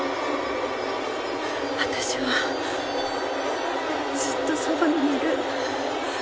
私はずっとそばにいる。